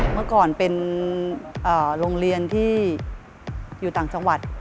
เมื่อก่อนเป็นโรงเรียนที่อยู่ต่างจังหวัด